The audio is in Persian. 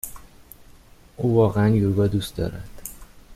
او واقعا یوگا دوست دارد.